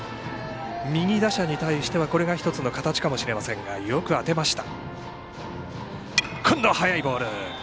右打者に対してはこれが１つの形かもしれませんがよく当てました。